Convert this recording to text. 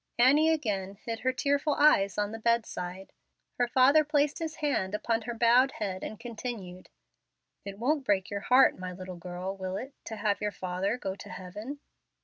Annie again hid her tearful eyes on the bedside. Her father placed his hand upon her bowed head and continued, "It won't break your heart, my little girl, will it, to have your father go to heaven?"